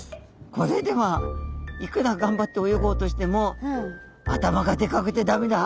これではいくら頑張って泳ごうとしても頭がでかくて駄目だ。